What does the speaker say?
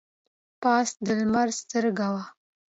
پاس د لمر سترګه وه.